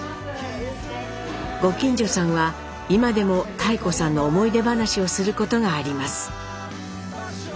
ご近所さんは今でも妙子さんの思い出話をすることがあります。